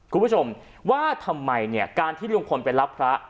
คุณผู้ชมว่าทำไมเนี่ยการที่ลุงพลไปรับพระ